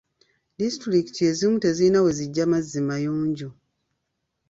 Disitulikiti ezimu tezirina we zijja mazzi mayonjo.